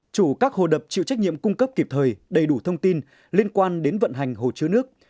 chủ các hồ đập chịu trách nhiệm cung cấp kịp thời đầy đủ thông tin liên quan đến vận hành hồ chứa nước